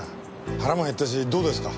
腹も減ったしどうですか？